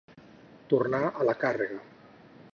Tornar a la càrrega.